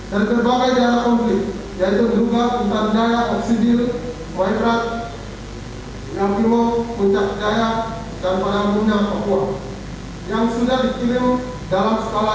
yang sudah dikirim dalam skala yang besar